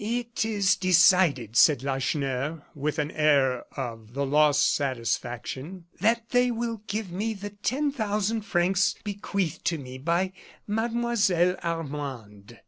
"It is decided," said Lacheneur, with an air of the lost satisfaction, "that they will give me the ten thousand francs bequeathed to me by Mademoiselle Armande.